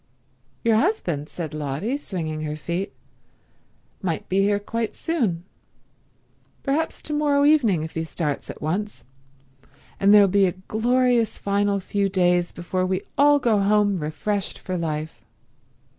"Your husband," said Lotty, swinging her feet, "might be here quite soon, perhaps to morrow evening if he starts at once, and there'll be a glorious final few days before we all go home refreshed for life.